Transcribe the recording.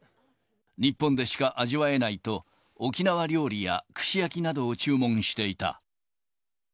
日本でしか味わえないと、沖縄料理や串焼きなどを注文していた。